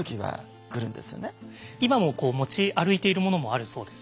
今もこう持ち歩いているものもあるそうですね。